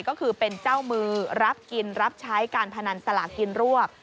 ก็คือเป็นเจ้ามือรับกินรับใช้การพนันสลากินรวบ